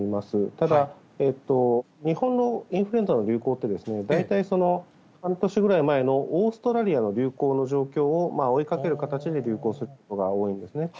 ただ、日本のインフルエンザの流行って、大体半年ぐらい前のオーストラリアの流行の状況を追いかける形で流行することが多いんですね。